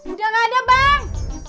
udah nggak ada bang